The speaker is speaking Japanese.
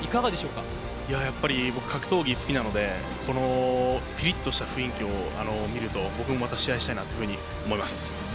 僕、やっぱり格闘技好きなので、ピリッとした雰囲気をみると僕もまた試合したいなというふうに思います。